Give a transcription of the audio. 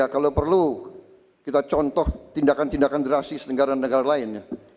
kalau perlu kita contoh tindakan tindakan drastis negara negara lain